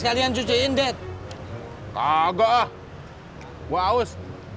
kalian cuciin det kagak gua aus